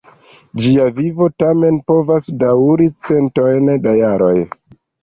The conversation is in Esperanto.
Ĝia vivo tamen povas daŭri centojn da jaroj.